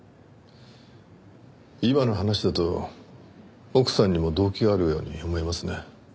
今の話だと奥さんにも動機があるように思えますね。